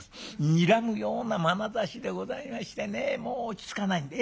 にらむようなまなざしでございましてねもう落ち着かないんでええ。